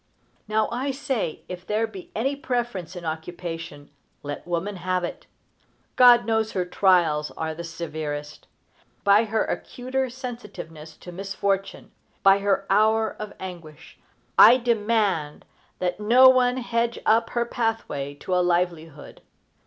Now, I say, if there be any preference in occupation, let woman have it. God knows her trials are the severest. By her acuter sensitiveness to misfortune, by her hour of anguish, I demand that no one hedge up her pathway to a livelihood.